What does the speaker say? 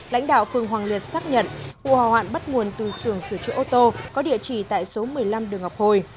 lãnh đạo phường hoàng liệt xác nhận vụ hỏa hoạn bắt nguồn từ sưởng sửa chữa ô tô có địa chỉ tại số một mươi năm đường ngọc hồi